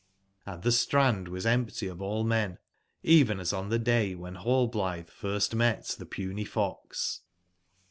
Hnd tbe strand was empty of all men, even as on tbe day wben Rall blitbe first met tbe puny fox.